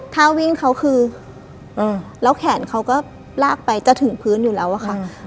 ถ้าวิ่งเขาคือแล้วแขนเขาก็ลากไปจะถึงพื้นอยู่แล้วอะค่ะ